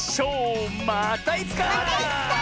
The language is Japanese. またいつか！